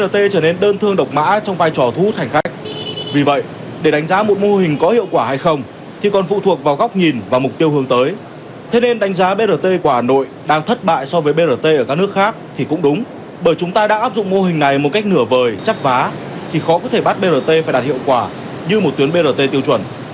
tổng hành khách brt quả nội đang thất bại so với brt ở các nước khác thì cũng đúng bởi chúng ta đã áp dụng mô hình này một cách nửa vời chắc vá thì khó có thể bắt brt phải đạt hiệu quả như một tuyến brt tiêu chuẩn